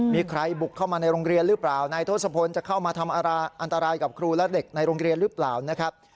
มีใครบุกเข้ามาในโรงเรียนหรือเปล่านายทศพลจะเข้ามาทำอันตรายกับครูและเด็กในโรงเรียนหรือเปล่านะครับ